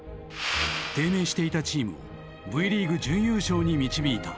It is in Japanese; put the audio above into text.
低迷していたチームをＶリーグ準優勝に導いた。